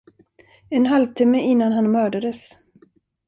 En halvtimme innan han mördades.